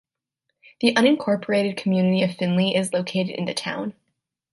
The unincorporated community of Finley is located in the town.